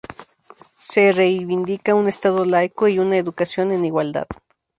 Se reivindica un estado laico y una educación en igualdad.